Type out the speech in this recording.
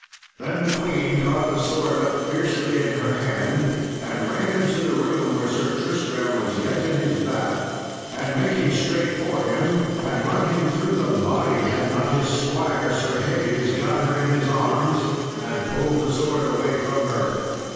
] Then the queen caught the sword up fiercely in her hand, and ran into the room where Sir Tristram was yet in his bath, and making straight for him, had run him through the body, had not his squire, Sir Hebes, got her in his arms, and pulled the sword away from her.